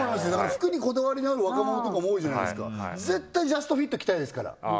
服にこだわりのある若者とかも多いじゃないですか絶対ジャストフィット着たいですからああ